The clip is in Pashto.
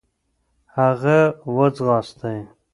هغه و ځغاستی .